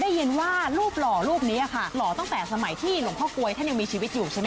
ได้ยินว่ารูปหล่อรูปนี้ค่ะหล่อตั้งแต่สมัยที่หลวงพ่อกลวยท่านยังมีชีวิตอยู่ใช่ไหม